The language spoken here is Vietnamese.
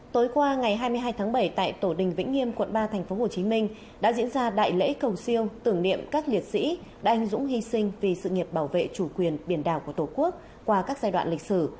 tối qua ngày hai mươi hai tháng bảy tại tổ đình vĩnh nghiêm quận ba tp hcm đã diễn ra đại lễ cầu siêu tưởng niệm các liệt sĩ đã anh dũng hy sinh vì sự nghiệp bảo vệ chủ quyền biển đảo của tổ quốc qua các giai đoạn lịch sử